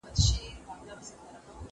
د هيوادونو ترمنځ اړيکي کله کله خړېږي.